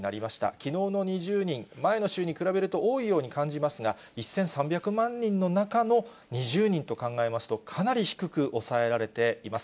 きのうの２０人、前の週に比べると多いように感じますが、１３００万人の中の２０人と考えますと、かなり低く抑えられています。